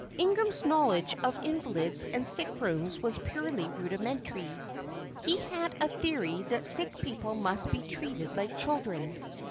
Ingram's knowledge of invalids and sick rooms was purely rudimentary. He had a theory that sick people must be treated like children.